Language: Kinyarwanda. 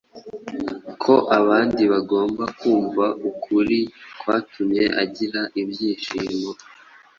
ko abandi bagomba kumva ukuri kwatumye agira ibyishimo,